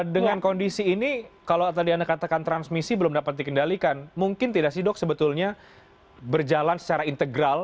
dengan kondisi ini kalau tadi anda katakan transmisi belum dapat dikendalikan mungkin tidak sih dok sebetulnya berjalan secara integral